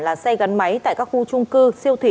là xe gắn máy tại các khu trung cư siêu thị